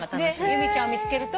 由美ちゃんを見つけると。